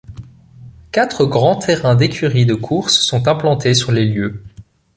Quatre grands terrains d'écuries de course sont implantés sur les lieux.